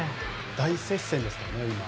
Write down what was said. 大接戦ですからね。